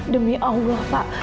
demi allah pak